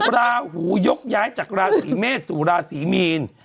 ราหูยกย้ายจากราศีเมษสู่ราศีมีน